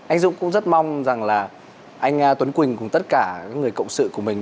anh dũng cũng rất mong rằng là anh tuấn quỳnh cùng tất cả người cộng sự của mình